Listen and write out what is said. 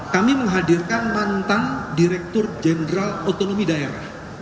kami menghadirkan mantan direktur jenderal otonomi daerah